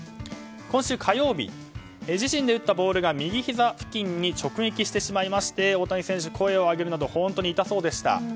今週火曜日自身で打ったボールが右ひざ付近に直撃してしまいまして大谷選手、声を上げるなど本当に痛そうでした。